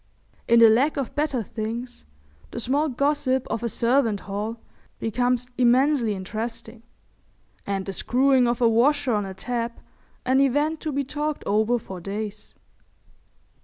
In the lack of better things the small gossip of a servant'' hall becomes immensely interesting, and the screwing of a washer on a tap an event to be talked over for days.